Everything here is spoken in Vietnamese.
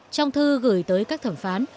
trong thư gửi tới các thẩm phán